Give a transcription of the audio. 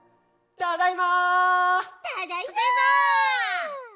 ただいま！